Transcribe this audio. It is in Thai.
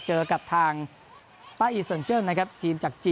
เจอกับทางป๊าอีซเสิร์นเจิ่มนะครับ